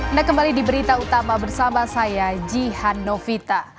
anda kembali di berita utama bersama saya jihan novita